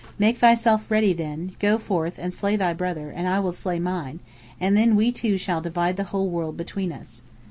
Make thyself ready then, go forth and slay thy brother, and I will slay mine, and then we two shall divide the whole world between us."